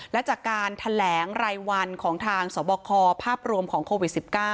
และจากการแถลงรายวันของทางสบคภาพรวมของโควิด๑๙